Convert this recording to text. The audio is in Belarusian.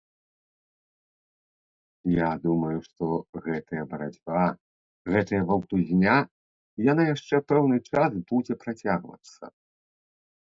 Я думаю, што гэтая барацьба, гэтая валтузня, яна яшчэ пэўны час будзе працягвацца.